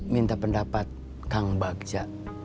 minta pendapat kang bagja